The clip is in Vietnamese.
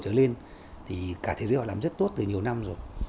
trở lên thì cả thế giới họ làm rất tốt từ nhiều năm rồi